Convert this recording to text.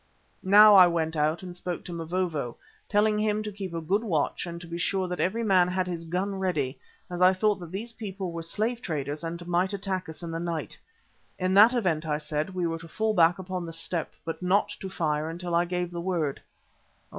Now I went out and spoke to Mavovo, telling him to keep a good watch and to be sure that every man had his gun ready, as I thought that these people were slave traders and might attack us in the night. In that event, I said, they were to fall back upon the stoep, but not to fire until I gave the word.